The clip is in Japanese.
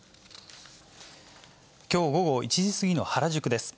きょう午後１時過ぎの原宿です。